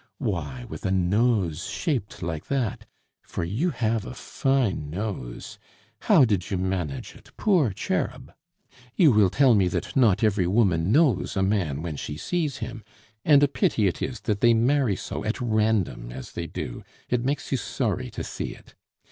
Why, with a nose shaped like that for you have a fine nose how did you manage it, poor cherub?... You will tell me that 'not every woman knows a man when she sees him'; and a pity it is that they marry so at random as they do, it makes you sorry to see it.